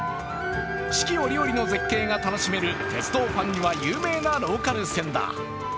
四季折々の絶景が楽しめる鉄道ファンには有名なローカル線だ。